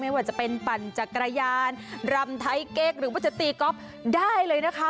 ว่าจะเป็นปั่นจักรยานรำไทยเก๊กหรือว่าจะตีก๊อฟได้เลยนะคะ